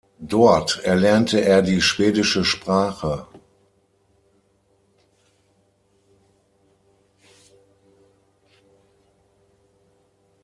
Dort erlernte er die schwedische Sprache.